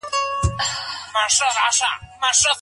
شرعي نکاح څنګه صورت نيسي؟